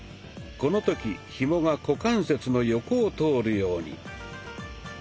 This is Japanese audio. この時ひもが股関節の横を通るように。